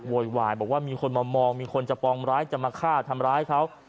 โวยวายบอกว่ามีคนมามองมีคนจะปองร้ายจะมาฆ่าทำร้ายเขา